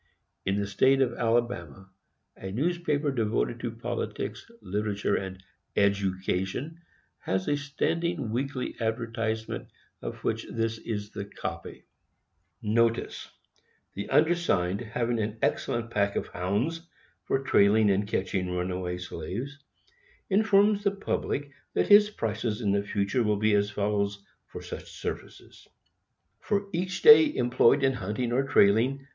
In the State of Alabama, a newspaper devoted to politics, literature and EDUCATION, has a standing weekly advertisement of which this is a copy: NOTICE. The undersigned having an excellent pack of HOUNDS, for trailing and catching runaway slaves, informs the public that his prices in future will be as follows for such services: For each day employed in hunting or trailing, $2.